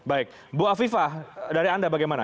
baik bu afifah dari anda bagaimana